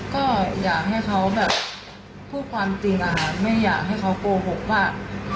ก็อยากให้เขาแบบพูดความจริงอะค่ะไม่อยากให้เขาโกหกว่า